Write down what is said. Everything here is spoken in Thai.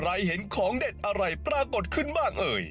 เห็นของเด็ดอะไรปรากฏขึ้นบ้างเอ่ย